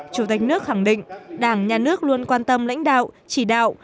chủ tịch nước khẳng định đảng nhà nước luôn quan tâm lãnh đạo chỉ đạo